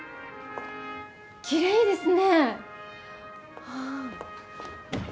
きれいですね。